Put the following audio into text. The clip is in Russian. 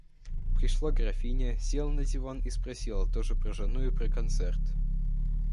Пришла графиня, села на диван и спросила тоже про жену и про концерт.